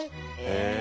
へえ。